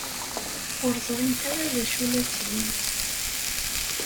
Ur ẓrint ara d acu la ttgent.